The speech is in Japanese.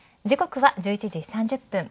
時刻は１１時３０分。